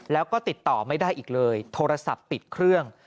แล้วก็ติดต่อไม่ได้อีกเลยโทรศัพท์ปิดเครื่อง